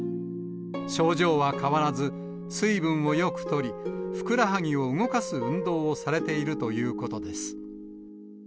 症状は変わらず、水分をよくとり、ふくらはぎを動かす運動をされているということです。